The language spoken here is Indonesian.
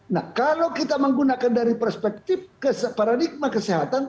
nah kalau kita menggunakan dari perspektif ke paradigma kesehatan